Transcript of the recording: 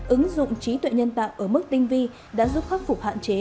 ứng dụng trí tuệ nhân tạo ở mức tinh vi đã giúp khắc phục hạn chế